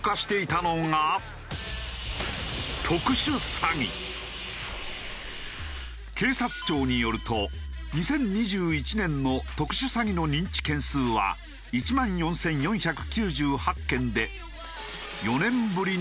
そんな中警察庁によると２０２１年の特殊詐欺の認知件数は１万４４９８件で。